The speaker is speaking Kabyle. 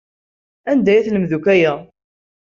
Anda ay telmed akk aya?